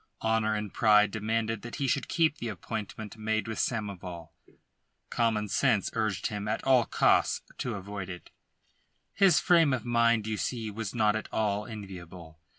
Honour and pride demanded that he should keep the appointment made with Samoval; common sense urged him at all costs to avoid it. His frame of mind, you see, was not at all enviable.